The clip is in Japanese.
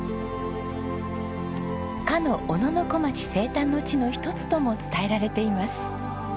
かの小野小町生誕の地の一つとも伝えられています。